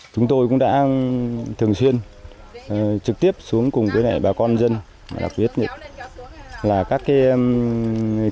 chúng tôi cũng đã thường xuyên trực tiếp xuống cùng với bà con dân đặc biệt là các tri hội phụ nữ